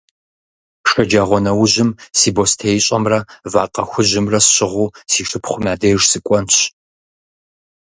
Шэджагъуэнэужьым си бостеищӏэмрэ вакъэ хужьымрэ сщыгъыу си шыпхъум я деж сыкӏуэнщ.